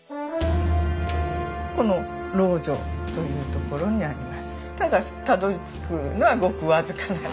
この「老女」というところになります。